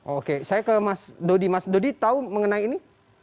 oke saya ke mas dodi mas dodi tahu mengenai ini